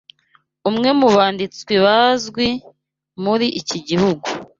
umwe mu banditsi bazwi muri iki gihugu